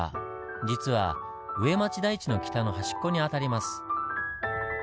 実は上町台地の北の端っこに当たります。